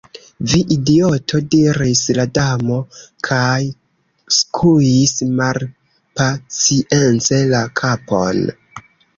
"Vi idioto!" diris la Damo, kaj skuis malpacience la kapon.